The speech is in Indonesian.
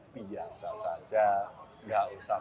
biasa saja nggak usah